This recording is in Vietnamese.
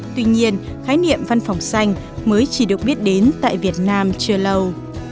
tuy nhiên khái niệm văn phòng xanh mới chỉ được biết đến tại việt nam chưa lâu